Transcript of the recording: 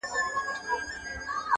لا به دي غوغا د حسن پورته سي کشمیره.